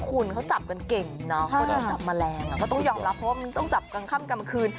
คุณเขาจับกันเก่งน่ะเพราะเดี๋ยวจับแมลงอ่ะก็ต้องยอมรับเพราะว่ามันต้องจับกันข้ามกลางมือคืน